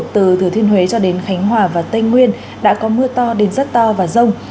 từ thừa thiên huế cho đến khánh hòa và tây nguyên đã có mưa to đến rất to và rông